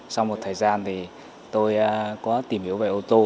sau một thời gian thì tôi có tìm hiểu về ô tô